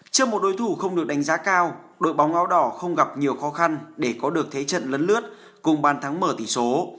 trước một đối thủ không được đánh giá cao đội bóng áo đỏ không gặp nhiều khó khăn để có được thế trận lấn lướt cùng bàn thắng mở tỷ số